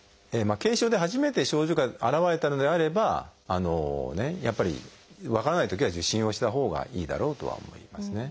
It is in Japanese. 軽症で初めて症状が現れたのであればやっぱり分からないときは受診をしたほうがいいだろうとは思いますね。